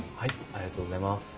ありがとうございます。